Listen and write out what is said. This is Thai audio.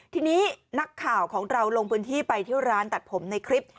ทีนี้นักข่าวของเราลงพื้นที่ไปที่ร้านตัดผมในคลิป